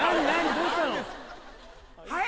どうしたの？